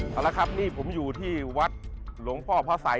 เอาละครับนี่ผมอยู่ที่วัดหลวงพ่อพระสัย